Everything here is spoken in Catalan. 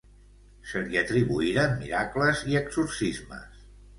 Se li atribuïren miracles i exorcismes.